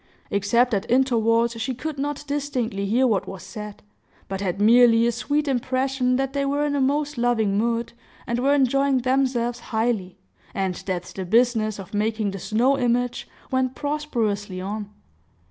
Except at intervals, she could not distinctly hear what was said, but had merely a sweet impression that they were in a most loving mood, and were enjoying themselves highly, and that the business of making the snow image went prosperously on.